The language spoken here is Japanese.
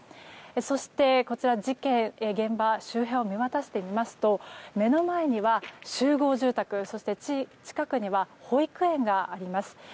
そして、こちら事件現場の周辺を見渡してみますと目の前には集合住宅そして近くには保育園があります。